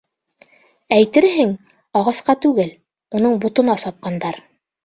Әйтерһең, ағасҡа түгел, уның ботона сапҡандар.